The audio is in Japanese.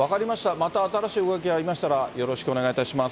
また新しい動きがありましたらよろしくお願いいたします。